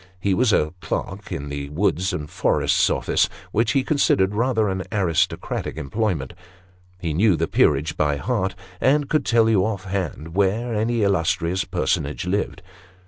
He was a clerk in the Woods and Forests Office, which he considered rather an aristo cratic employment ; he knew the peerage by heart, and could tell you, off hand, where any illustrious personage lived.